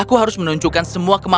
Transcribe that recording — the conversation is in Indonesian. aku harus menunjukkan semua kemampuan